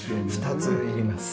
２つ要ります。